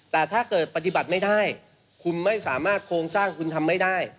แต่ถ้าเกิดปฏิบัติไม่ได้คุณไม่สามารถโครงสร้างคุณทำไม่ได้